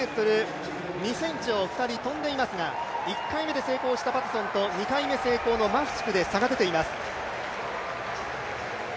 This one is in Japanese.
２ｍ２ｃｍを２人、跳んでいますが１回目で成功したパタソンと２回目成功のマフチクで差が出ています。